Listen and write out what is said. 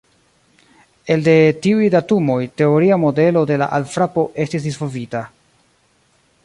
Elde tiuj datumoj, teoria modelo de la alfrapo estis disvolvita.